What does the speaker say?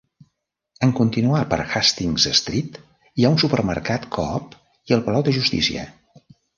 En continuar per Hastings Street, hi ha un supermercat Co-op i el palau de justícia.